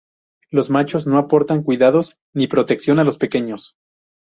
Los machos no aportan cuidados ni protección a los pequeños.